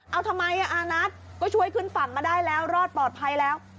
เอาทำไมอานัทก็ช่วยขึ้นฝั่งมาได้แล้วรอดปลอดภัยแล้ว